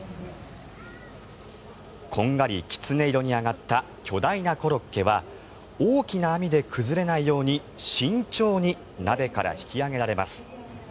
こんがりキツネ色に揚がった巨大なコロッケは大きな網で崩れないように慎重に鍋から引き揚げられます。